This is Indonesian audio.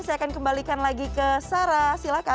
saya akan kembalikan lagi ke sarah